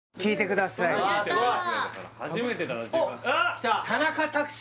きた！